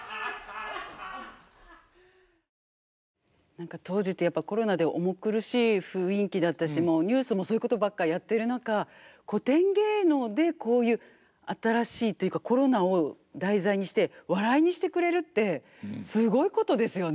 何か当時ってやっぱコロナで重苦しい雰囲気だったしニュースもそういうことばっかりやってる中古典芸能でこういう新しいというかコロナを題材にして笑いにしてくれるってすごいことですよね。